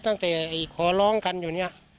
ตั้งแต่ขอร้องกันอยู่เนี่ย